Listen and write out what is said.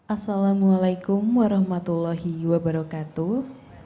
assalamualaikum warahmatullahi wabarakatuh